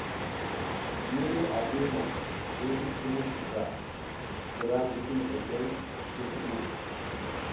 Yi ru ar limo, i hidik tumung titira titirang ngi gi mezegwel ngi zuŋ du.